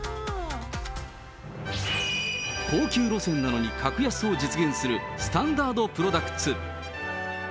高級路線なのに、格安を実現するスタンダードプロダクツ。